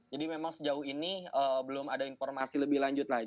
jadi memang sejauh ini belum ada informasi lebih lanjut lagi